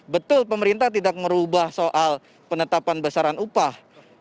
betul pemerintah tidak merubah soal penetapan besaran upah